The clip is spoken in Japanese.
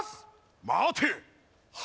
待て！